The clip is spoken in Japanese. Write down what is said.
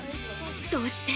そして。